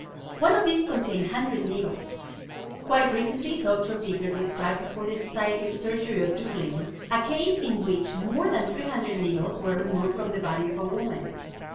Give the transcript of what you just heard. One of these contained 100 needles. Quite recently Doctor Bigger described before the Society of Surgery of Dublin a case in which more than 300 needles were removed from the body of a woman.